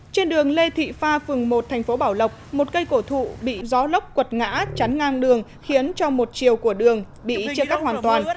trên đường lê thị pha phường một thành phố bảo lộc một cây cổ thụ bị gió lốc quật ngã chắn ngang đường khiến cho một chiều của đường bị chia cắt hoàn toàn